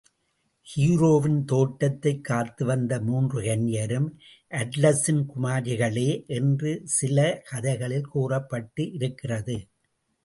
ஹீராவின் தோட்டத்தைக் காத்து வந்த மூன்று கன்னியரும் அட்லஸின் குமாரிகளே என்று சில கதைகளிலே கூறப்பட்டிருக்கிறது.